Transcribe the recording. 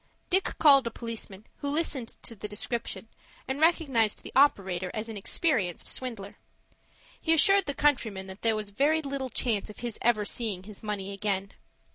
Dick called a policeman, who listened to the description, and recognized the operator as an experienced swindler. He assured the countryman that there was very little chance of his ever seeing his money again.